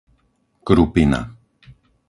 Krupina